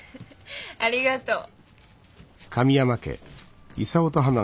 ありがとう。